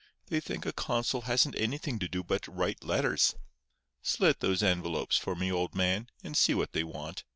They think a consul hasn't anything to do but write letters. Slit those envelopes for me, old man, and see what they want.